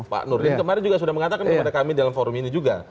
pak nurdin kemarin juga sudah mengatakan kepada kami dalam forum ini juga